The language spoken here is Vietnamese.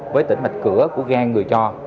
với tỉnh mạch cửa của gan người cho